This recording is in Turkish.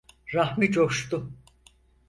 Rahmi coştu…